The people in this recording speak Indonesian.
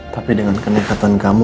tapi dengan kenekatan kamu